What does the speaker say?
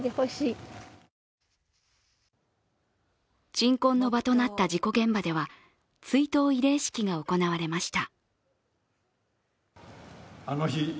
鎮魂の場となった事故現場では追悼慰霊式が行われました。